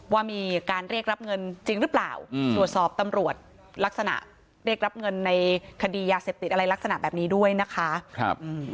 ว่ามีการเรียกรับเงินจริงหรือเปล่าตรวจสอบตำรวจลักษณะเรียกรับเงินในคดียาเสพติดอะไรลักษณะแบบนี้ด้วยนะคะครับ